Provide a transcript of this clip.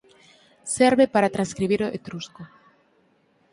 Serve para transcribir o etrusco.